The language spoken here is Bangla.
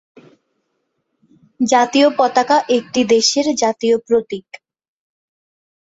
জাতীয় পতাকা একটি দেশের প্রতীক।